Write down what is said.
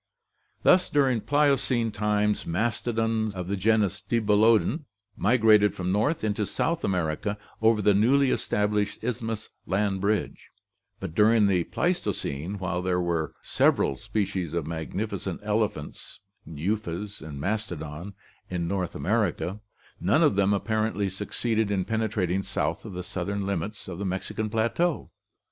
Thus, during Pliocene times mastodons of the genus Dibelodon (Chapter XXXIV) migrated from North into South America over the newly established isthmian land bridge, but during the Pleis tocene, while there were several species of magnificent elephants (EUphas and Mastodon) in North America, none of them appar ently succeeded in penetrating south of the southern limits of the Mexican plateau.